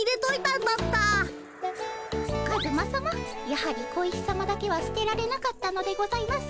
やはり小石さまだけは捨てられなかったのでございますね。